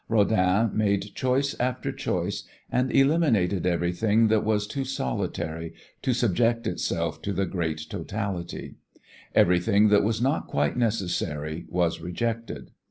Rodin made choice after choice and eliminated everything that was too solitary to subject itself to the great totality; everything that was not quite necessary was rejected.